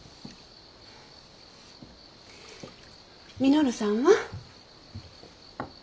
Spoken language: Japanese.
稔さんは？